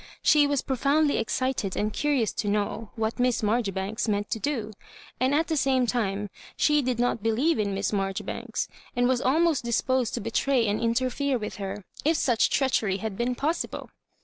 She was profoundly excited and curious to know what Miss Marjoribanks meant to do ; and at the same time she did not believe in Miss Marjoribanks, and was almost disposed to betray and interfere with her, if such treachery had been possible.